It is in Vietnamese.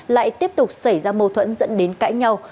lại tiếp tục xảy ra mâu thuẫn dẫn đến cãi nhau